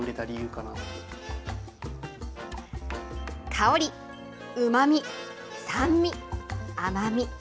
香り、うまみ、酸味、甘み。